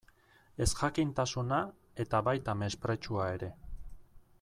Ezjakintasuna, eta baita mespretxua ere.